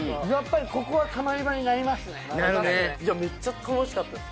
いやめっちゃ楽しかったです